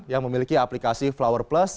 yang memiliki aplikasi flower plus